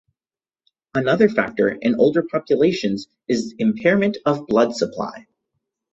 Another factor in older populations is impairment of blood supply.